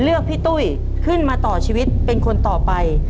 พี่ตุ้ยขึ้นมาต่อชีวิตเป็นคนต่อไป